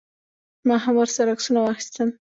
ما هم ورسره عکسونه واخیستل.